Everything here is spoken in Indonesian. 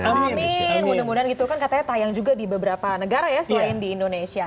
pak amin mudah mudahan gitu kan katanya tayang juga di beberapa negara ya selain di indonesia